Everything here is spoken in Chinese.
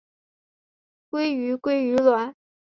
鲑鱼鲑鱼卵